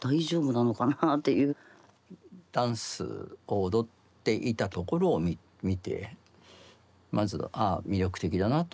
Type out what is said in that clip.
ダンスを踊っていたところを見てまずああ魅力的だなと思ってね。